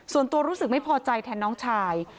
ส่วนตัวรู้สึกไม่พอใจแทนน้องชาย